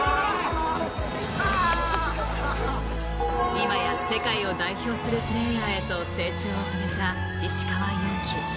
今や世界を代表するプレーヤーへと成長を遂げた石川祐希。